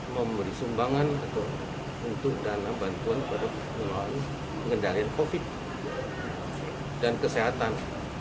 memberi sumbangan untuk dana bantuan untuk mengendalikan covid sembilan belas dan kesehatan